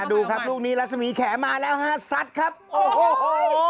ดูครับลูกนี้รัศมีแขมาแล้วฮะซัดครับโอ้โห